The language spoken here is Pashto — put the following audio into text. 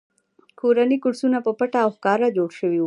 کورني کورسونه په پټه او ښکاره جوړ شوي وو